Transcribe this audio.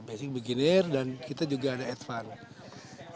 basic beginner dan kita juga ada advance